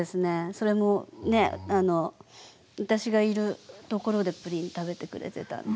それも私がいるところでプリン食べてくれてたんで。